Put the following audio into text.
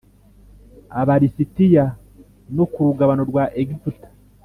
Aba lisitiya no ku rugabano rwa Egiputa